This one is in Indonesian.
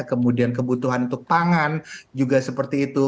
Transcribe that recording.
kemudian kebutuhan untuk pangan juga seperti itu